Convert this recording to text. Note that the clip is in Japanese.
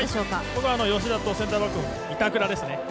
僕は吉田とセンターバックの板倉ですね。